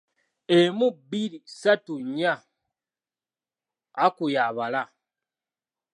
Emu, bbiri, ssatu, nnya, Aku yabala.